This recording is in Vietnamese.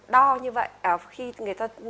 đo như vậy khi người ta